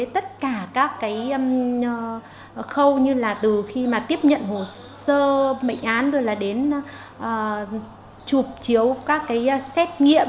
tất cả các cái khâu như là từ khi mà tiếp nhận hồ sơ bệnh án rồi là đến chụp chiếu các cái xét nghiệm